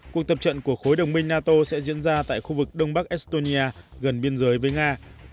cuộc tập trận của khối đồng minh nato sẽ diễn ra tại khu vực đông bắc estonia gần biên giới với nga